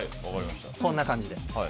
こんな感じで。